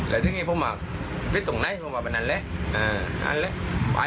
ไว้ทุกวิชพวิชตรงไหนผมก็แบบนั่นแหละ